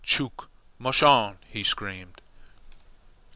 Chook! Mush on!" he screamed.